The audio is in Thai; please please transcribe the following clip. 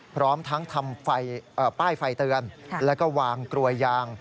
พร้อมทั้งทำป้ายไฟเตือนแล้วก็วางกลวยยาง